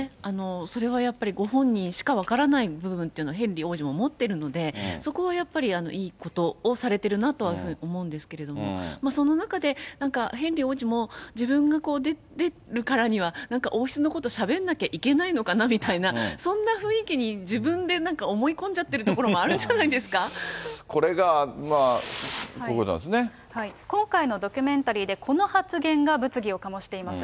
それはやっぱり、ご本人しか分からない部分っていうのをヘンリー王子も持ってるので、そこはやっぱりいいことをされてるなというふうに思うんですけれども、その中で、なんかヘンリー王子も、自分が出るからには、なんか王室のことしゃべんなきゃいけないのかなみたいなそんな雰囲気に、自分でなんか思い込んじゃってるところもあるんじゃないこれが、こういうことなんで今回のドキュメンタリーで、この発言が物議を醸しています。